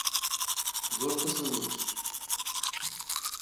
Зошто се лутиш?